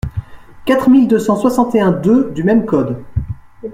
quatre mille deux cent soixante et un-deux du même code.